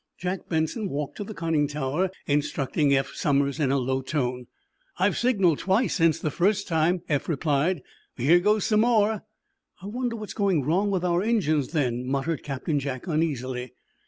Jack Benson walked to the conning tower, instructing Eph Somers in a low tone. "I've signaled twice, since the first time," Eph replied. "But here goes some more." "I wonder what's going wrong with our engines, then," muttered Captain Jack, uneasily.